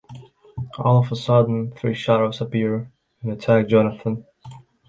All of a sudden three shadows appear and attack Jonathan.